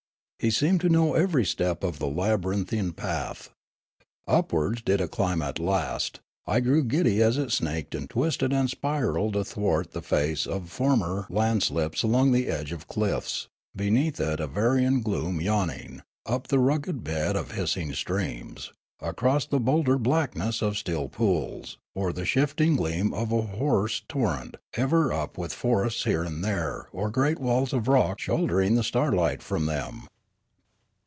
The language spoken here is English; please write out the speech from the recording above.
He seemed to know ever\' step of the labyrinthian path. Upwards did it climb at last ; I grew giddy as it snaked and twisted and spiralled athwart the face of former landslips, along the edge of cliffs, beneath it Avernian gloom yawning, up the rugged bed of hissing streams, across the bouldered blackness of still pools, or the shifting gleam of a hoarse torrent, ever up with forests here and there or great walls of rock shouldering the star light from them.